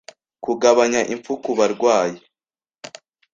kugabanya impfu ku barwaye